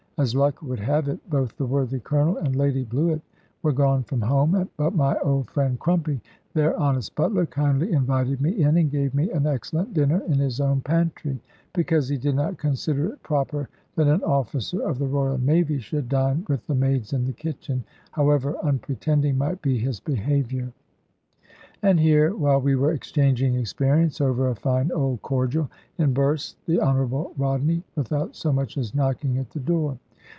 As luck would have it, both the worthy Colonel and Lady Bluett were gone from home; but my old friend Crumpy, their honest butler, kindly invited me in, and gave me an excellent dinner in his own pantry; because he did not consider it proper that an officer of the Royal Navy should dine with the maids in the kitchen, however unpretending might be his behaviour. And here, while we were exchanging experience over a fine old cordial, in bursts the Honourable Rodney, without so much as knocking at the door.